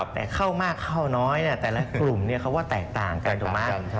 แต่เข้ามากเข้าน้อยแต่ละกลุ่มเขาว่าแตกต่างกันแตกต่างกันใช่ครับ